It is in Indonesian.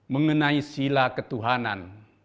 mengenai sila ketuhanan